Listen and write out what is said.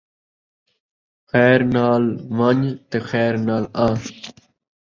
خیر نال ون٘ڄ خیر نال آ